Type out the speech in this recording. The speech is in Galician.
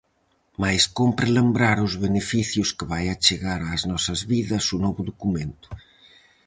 Mais cómpre lembrar os beneficios que vai achegar ás nosas vidas o novo documento.